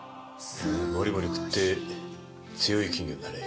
モリモリ食って強い金魚になれ。